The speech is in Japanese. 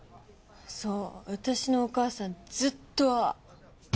そう私のお母さんずっとああ。